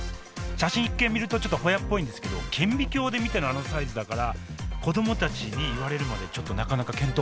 写真一見見るとちょっとホヤっぽいんですけど顕微鏡で見てのあのサイズだから子どもたちに言われるまでちょっとなかなか見当もつきませんでした。